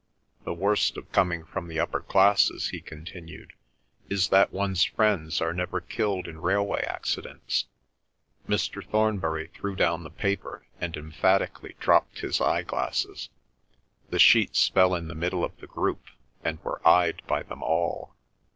"The worst of coming from the upper classes," he continued, "is that one's friends are never killed in railway accidents." Mr. Thornbury threw down the paper, and emphatically dropped his eyeglasses. The sheets fell in the middle of the group, and were eyed by them all.